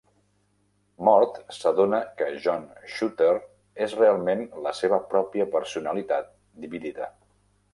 Mort s'adona que John Shooter és realment la seva pròpia personalitat dividida.